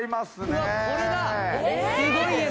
すごい。